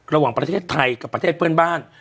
ระหว่างประเทศไทยกับประเทศเพื่อนบ้าน